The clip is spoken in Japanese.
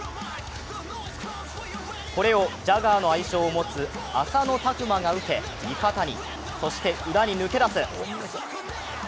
これをジャガーの愛称を持つ浅野拓磨が受け、味方に、そして裏に抜け出す。